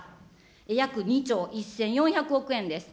約２兆１４００億円です。